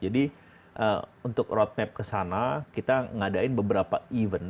jadi untuk roadmap ke sana kita ngadain beberapa event